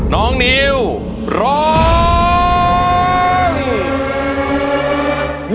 น้องนิวร้อง